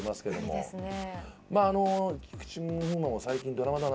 そうですね！